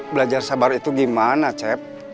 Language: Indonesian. belajar sabar itu gimana cep